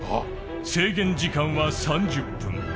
制限時間は３０分。